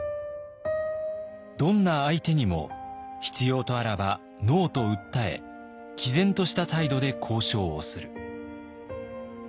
どんな相手にも必要とあらば「ＮＯ」と訴え毅然とした態度で交渉をする。